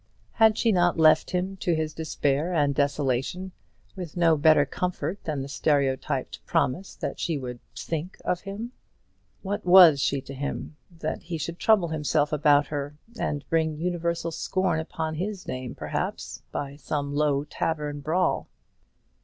Had she not left him to his despair and desolation, with no better comfort than the stereotyped promise that she would "think of him?" What was she to him, that he should trouble himself about her, and bring universal scorn upon his name, perhaps, by some low tavern brawl?